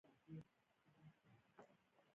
زړونه چې تل به و ښادمن شو ناښاد.